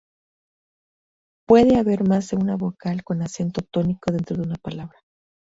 Puede haber más de una vocal con acento tónico dentro de una palabra.